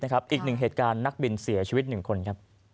อีกหนึ่งเหตุการณ์นักบินเสียชีวิต๑คน